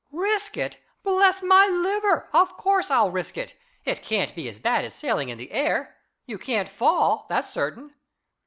"Risk it? Bless my liver! Of course I'll risk it! It can't be as bad as sailing in the air. You can't fall, that's certain."